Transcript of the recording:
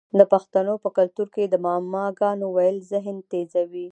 د پښتنو په کلتور کې د معما ګانو ویل ذهن تیزوي.